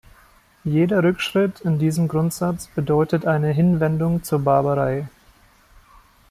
Jeder Rückschritt in diesem Grundsatz bedeutet eine Hinwendung zur Barbarei.